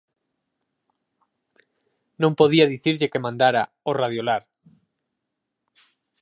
Non podía dicirlle que mandara 'O Radiolar'.